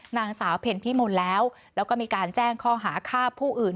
นางสาวเพ็ญพิมนต์แล้วแล้วก็มีการแจ้งข้อหาฆ่าผู้อื่น